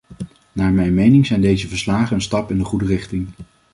Naar mijn mening zijn deze verslagen een stap in de goede richting.